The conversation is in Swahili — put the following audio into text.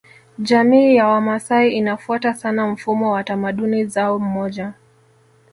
Jamii ya Wamasai inafuata sana mfumo wa tamaduni zao moja